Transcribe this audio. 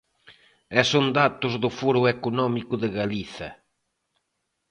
E son datos do Foro Económico de Galiza.